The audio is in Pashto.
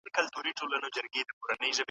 ښه ذهنیت ځواک نه خرابوي.